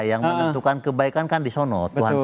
yang menentukan kebaikan kan di sono tuhan